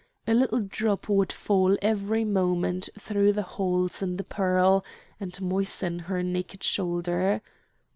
A little drop would fall every moment through the holes in the pearl and moisten her naked shoulder.